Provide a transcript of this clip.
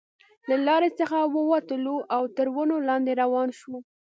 له لارې څخه وو وتلو او تر ونو لاندې روان شوو.